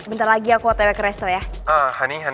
bentar lagi aku otw ke restoran ya